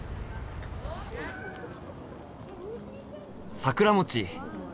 桜餅！